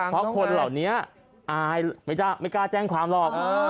เพราะคนเหล่านี้อายไม่กล้าแจ้งความหรอก